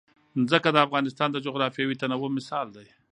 ځمکه د افغانستان د جغرافیوي تنوع مثال دی.